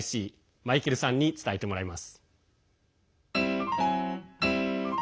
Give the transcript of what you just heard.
マイケルさんに伝えてもらいます。